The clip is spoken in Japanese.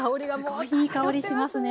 すごいいい香りしますね。